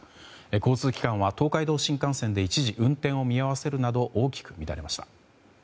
交通機関は東海道新幹線で一時運転を見合わせるなど大きく乱れました。